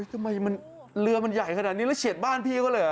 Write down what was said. ทำไมเรือมันใหญ่ขนาดนี้แล้วเฉียดบ้านพี่เขาเลยเห